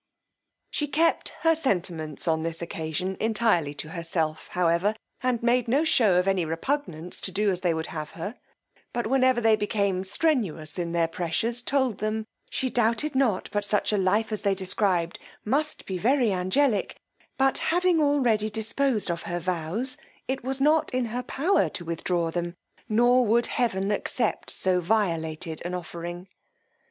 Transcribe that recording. She kept her sentiments on this occasion entirely to herself however, and made no shew of any repugnance to do as they would have her; but whenever they became strenuous in their pressures, told them, she doubted not but such a life as they described must be very angelic, but having already disposed of her vows, it was not in her power to withdraw them, nor would heaven accept so violated an offering.